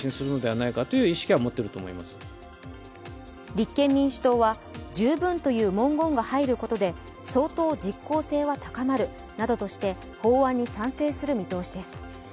立憲民主党は十分という文言が入ることで相当実効性は高まるなどとして法案に賛成する見通しです。